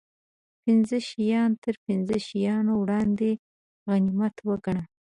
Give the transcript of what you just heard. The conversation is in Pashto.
پنځه شیان تر پنځو شیانو وړاندې غنیمت و ګڼه